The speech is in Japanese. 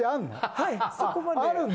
はい。